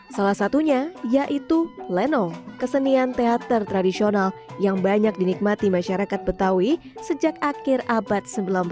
salah satunya yaitu lenong kesenian teater tradisional yang banyak dinikmati masyarakat betawi sejak akhir abad sembilan belas